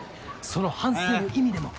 その反省の意味でも。